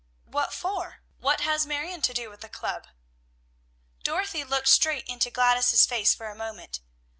"What for? What has Marion to do with the club?" Dorothy looked straight into Gladys's face for a moment.